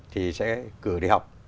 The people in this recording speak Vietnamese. thì sẽ cử đi học